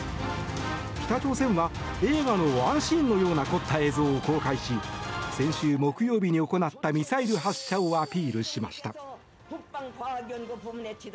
北朝鮮は映画のワンシーンのような凝った映像を公開し先週木曜日に行ったミサイル発射をアピールしました。